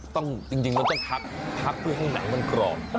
ต้องจริงพักทุกขั้นให้หนังมันกรอบ